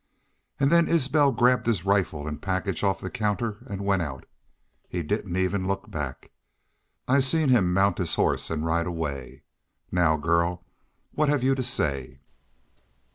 An' then Isbel grabbed his rifle an' package off the counter an' went out. He didn't even look back. I seen him nount his horse an' ride away.... Now, girl, what hev you to say?"